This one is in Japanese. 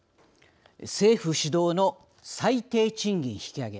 政府主導の最低賃金引き上げ